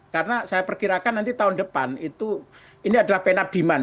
karena saya perkirakan nanti tahun depan itu ini adalah pen up demand